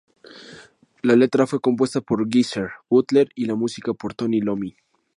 La letra fue compuesta por Geezer Butler y la música por Tony Iommi.